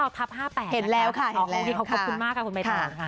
๙๙ทับ๕๘นะคะอ๋อโทษดีขอบคุณมากค่ะคุณใบท้อว่า